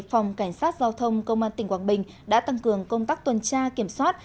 phòng cảnh sát giao thông công an tỉnh quảng bình đã tăng cường công tác tuần tra kiểm soát